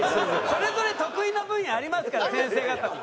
それぞれ得意な分野ありますから先生方も。